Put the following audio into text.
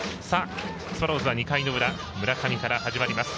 スワローズ２回の裏村上から始まります。